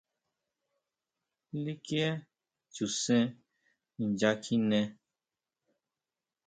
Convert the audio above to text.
¿Likie Chuʼsén inchakjine?